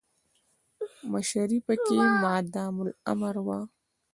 مشري پکې مادام العمر وه.